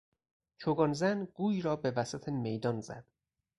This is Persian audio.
چوگان زن گوی را به وسط میدان زد.